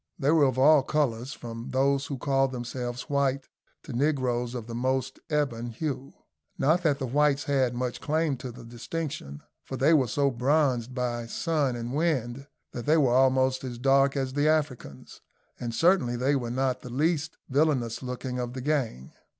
They were of all colours, from those who called themselves white to negroes of the most ebon hue. Not that the whites had much claim to the distinction, for they were so bronzed by sun and wind that they were almost as dark as the Africans, and certainly they were not the least villainous looking of the gang.